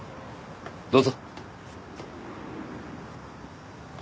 どうぞ。